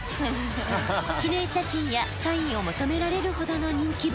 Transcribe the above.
記念写真やサインを求められるほどの人気ぶり。